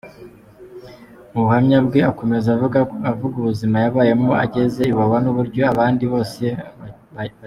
Mu buhamya bwe akomeza avuga ubuzima yabayemo ageze Iwawa n’uburyo abandi bose bakirwa.